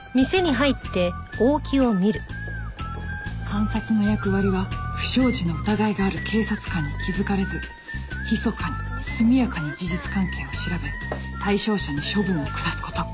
監察の役割は不祥事の疑いがある警察官に気づかれずひそかに速やかに事実関係を調べ対象者に処分を下す事